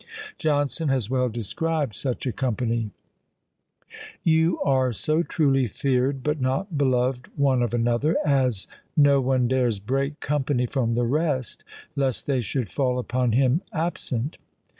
Jonson has well described such a company: You are so truly fear'd, but not beloved One of another, as no one dares break Company from the rest, lest they should fall Upon him absent.